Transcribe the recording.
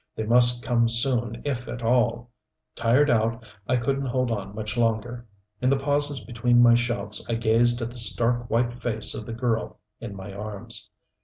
They must come soon, if at all. Tired out, I couldn't hold on much longer. In the pauses between my shouts I gazed at the stark white face of the girl in my arms.